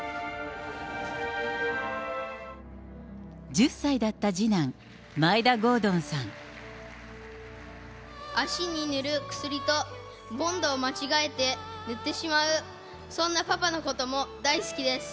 １０歳だった次男、足に塗る薬と、ボンドを間違えて塗ってしまう、そんなパパのことも大好きです。